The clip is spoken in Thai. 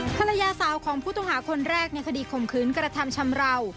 ภรรยาสาวของผู้ต้องหาคนแรกในคดีข่มขืนกระทำชำราว